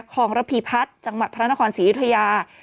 คลองระพีพัฒน์จังหวัดพระนครศรีอยุธยา